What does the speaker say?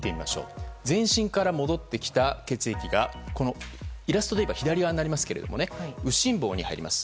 全身から戻ってきた血液がこのイラストでいえば左側になりますが右心房に入ります。